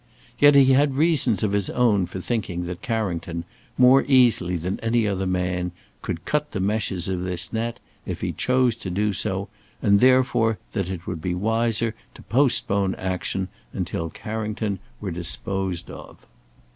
Yet he had reasons of his own for thinking that Carrington, more easily than any other man, could cut the meshes of this net if he chose to do so, and therefore that it would be wiser to postpone action until Carrington were disposed of.